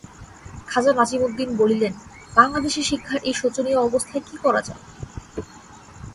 খাজা নাজিমুদ্দিন বলিলেন, বাংলাদেশে শিক্ষার এই শোচনীয় অবস্থায় কী করা যায়?